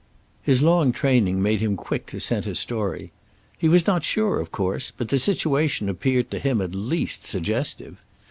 His long training made him quick to scent a story. He was not sure, of course, but the situation appeared to him at least suggestive.